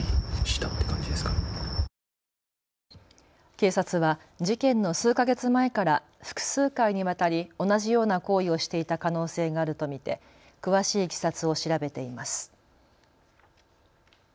警察は事件の数か月前から複数回にわたり同じような行為をしていた可能性があると見て詳しいいきさつを調べています。